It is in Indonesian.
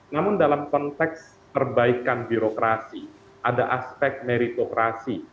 namun dalam konteks perbaikan birokrasi ada aspek meritokrasi